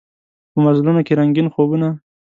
په مزلونوکې رنګین خوبونه